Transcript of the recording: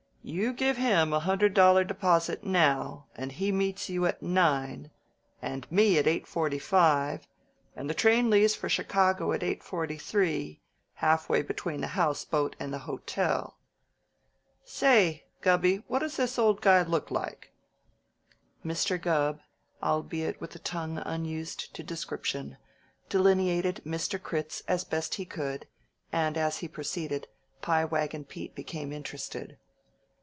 "You give him a hundred dollar deposit now and he meets you at nine, and me at eight forty five, and the train leaves for Chicago at eight forty three, halfway between the house boat and the hotel! Say, Gubby, what does this old guy look like?" Mr. Gubb, albeit with a tongue unused to description, delineated Mr. Critz as best he could, and as he proceeded, Pie Wagon Pete became interested.